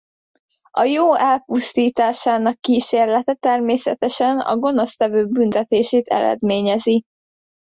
A jó elpusztításának kísérlete természetesen az gonosztevő büntetését eredményezi.